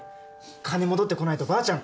金戻ってこないとばあちゃん